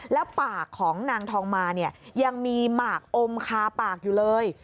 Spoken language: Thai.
แล้วปากของนางทองมาเนี่ยยังมีหมากอมคาปากอยู่เลย